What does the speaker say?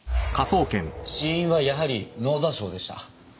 死因はやはり脳挫傷でした。